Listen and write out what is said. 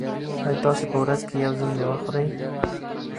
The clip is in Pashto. ایا تاسي په ورځ کې یو ځل مېوه خورئ؟